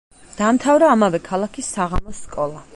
დაამთავრა ამავე ქალაქის საღამოს სკოლა.